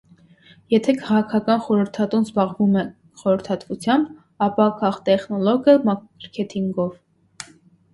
Եթե քաղաքական խորհրդատուն զբաղվում է խորհրդատվությամբ, ապա քաղտեխնոլոգը մարքետինգով։